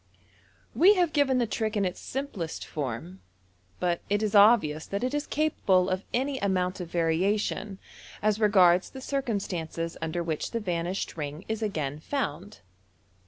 We have given the trick in its simplest form, but it is obvious that it is capable of any amount of variation as regards the circum stances under which the vanished ring is again found.